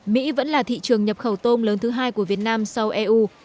mỹ vẫn là thị trường nhập khẩu tôm lớn thứ hai của việt nam sau eu